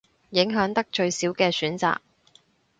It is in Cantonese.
影響得最少嘅選擇